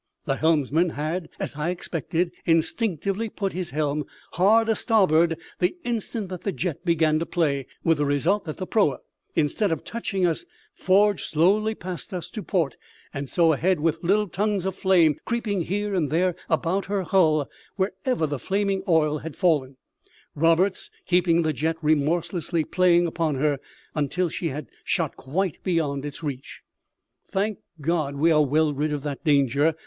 The helmsman had, as I expected, instinctively put his helm hard a starboard the instant that the jet began to play, with the result that the proa, instead of touching us, forged slowly past us to port, and so ahead, with little tongues of flame creeping here and there about her hull wherever the flaming oil had fallen; Roberts keeping the jet remorselessly playing upon her until she had shot quite beyond its reach. "Thank God, we are well rid of that danger!"